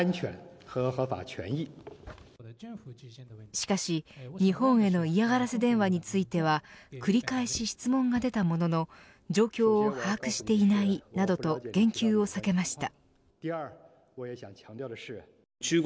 しかし、日本への嫌がらせ電話については繰り返し質問が出たものの状況を把握していないなどと言及を避けました。